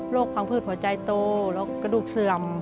โรคความผืดหัวใจโตกระดูกเสื่อม